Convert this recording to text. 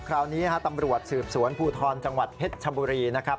คราวนี้ตำรวจสืบสวนภูทรจังหวัดเพชรชบุรีนะครับ